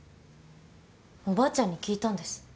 おばあちゃんに聞いたんです